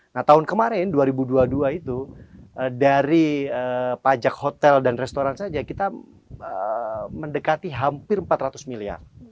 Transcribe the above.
nah tahun kemarin dua ribu dua puluh dua itu dari pajak hotel dan restoran saja kita mendekati hampir empat ratus miliar